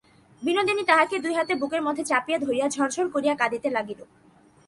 বিনোদিনী তাহাকে দুই হাতে বুকের মধ্যে চাপিয়া ধরিয়া ঝরঝর করিয়া কাঁদিতে লাগিল।